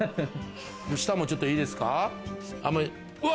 下もちょっといいですか？